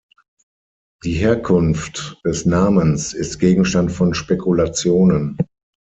Die Herkunft des Namens ist Gegenstand von Spekulationen.